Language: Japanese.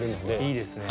いいですね。